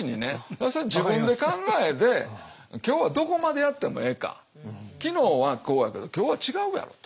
要するに自分の考えで今日はどこまでやってもええか昨日はこうやけど今日は違うやろて。